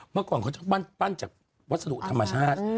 เมื่อก่อนเขาจะปั้นจากวัสดุธรรมชาติ